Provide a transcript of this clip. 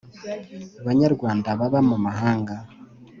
Banyarwanda baba mu mahanga